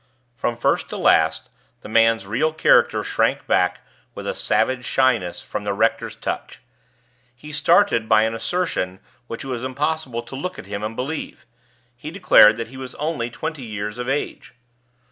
From first to last, the man's real character shrank back with a savage shyness from the rector's touch. He started by an assertion which it was impossible to look at him and believe he declared that he was only twenty years of age.